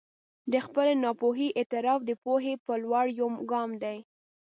د خپلې ناپوهي اعتراف د پوهې په لور یو ګام دی.